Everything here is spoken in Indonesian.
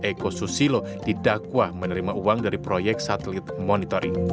eko susilo didakwa menerima uang dari proyek satelit monitoring